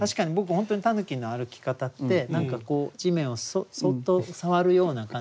本当に狸の歩き方って何かこう地面をそっと触るような感じ。